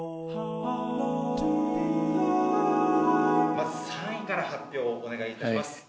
まず３位から発表をお願いいたします。